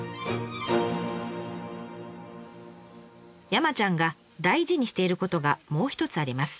山ちゃんが大事にしていることがもう一つあります。